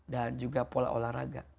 dan juga pola olahraga